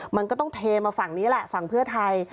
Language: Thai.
มันก็ต้องเทมาฝั่งนี้แหละฝั่งเพื่อไทย